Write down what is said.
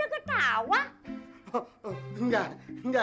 kok lu pada ketawa